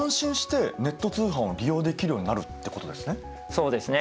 そうですね。